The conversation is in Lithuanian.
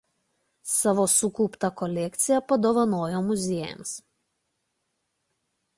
Savo sukauptą kolekciją padovanojo muziejams.